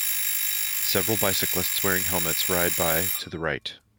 Several bicyclists wearing helmets ride by to the right.